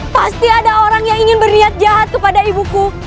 pasti ada orang yang ingin berniat jahat kepada ibuku